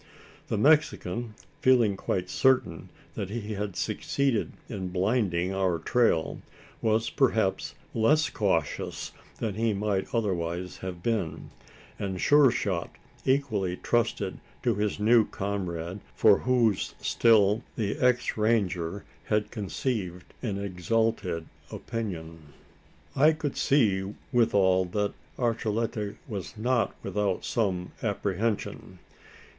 The Mexican, feeling quite certain that he had succeeded in blinding our trail, was perhaps less cautious than he might otherwise have been; and Sure shot equally trusted to his new comrade, for whose still the ex ranger had conceived an exalted opinion. I could see withal that Archilete was not without some apprehension.